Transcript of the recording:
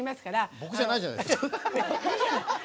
僕じゃないじゃないですか。